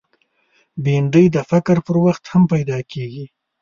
بېنډۍ د فقر پر وخت هم پیدا کېږي